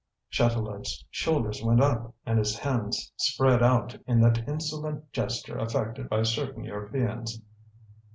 Chatelard's shoulders went up and his hands spread out in that insolent gesture affected by certain Europeans.